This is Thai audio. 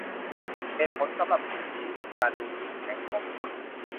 เหตุผลสำหรับสิ่งนี้คือการดูจุดแข็งของคุณ